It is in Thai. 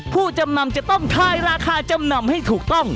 ผู้จำนำจะต้องทายราคาจำนำให้ถูกต้อง